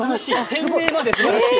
店名まですばらしい！